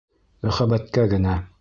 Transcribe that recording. Мөхәббәткә генә